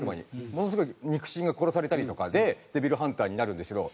ものすごい肉親が殺されたりとかでデビルハンターになるんですけど。